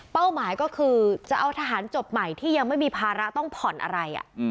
หมายก็คือจะเอาทหารจบใหม่ที่ยังไม่มีภาระต้องผ่อนอะไร